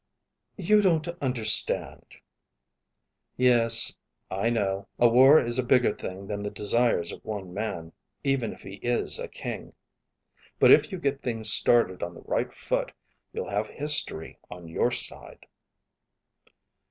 "You don't understand...." "Yes, I know. A war is a bigger thing that the desires of one man, even if he is a king. But if you get things started on the right foot, you'll have history on your side."